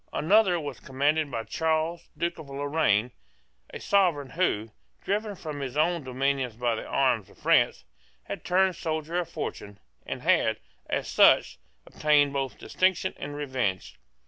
Another was commanded by Charles, Duke of Lorraine, a sovereign who, driven from his own dominions by the arms of France, had turned soldier of fortune, and had, as such, obtained both distinction and revenge.